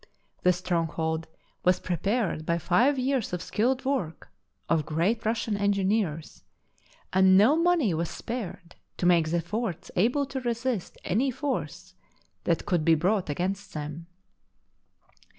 The strong hold was prepared by five years of skilled work of great Russian engineers, and no money was spared to make the forts able to resist any force that could be brought against them.